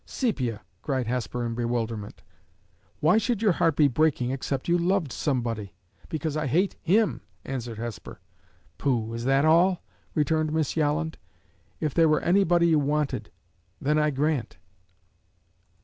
"Sepia!" cried Hesper, in bewilderment. "Why should your heart be breaking, except you loved somebody?" "Because I hate him," answered Hesper. "Pooh! is that all?" returned Miss Yolland. "If there were anybody you wanted then I grant!"